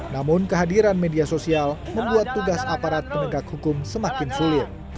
namun kehadiran media sosial membuat tugas aparat penegak hukum semakin sulit